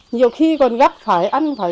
nhiều khi còn gắt phải ăn phải cả rùi